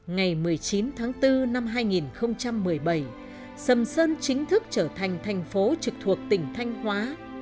ngày một mươi chín tháng bốn năm hai nghìn một mươi bảy sầm sơn chính thức trở thành thành phố trực thuộc tỉnh thanh hóa